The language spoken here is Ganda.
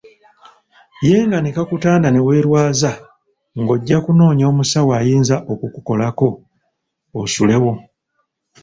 Ye nga ne kakutanda ne weerwaza, ng'ojja kunoonya omusawo ayinza okukukolako osulewo.